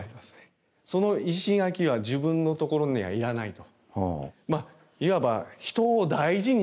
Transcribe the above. その石垣は自分のところには要らないと。